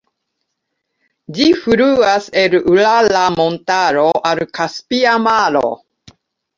Ĝi fluas el Urala montaro al Kaspia maro.